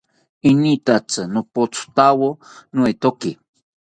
Enitatzi nopathawo noetoki